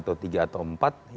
yang penting apakah kita melalui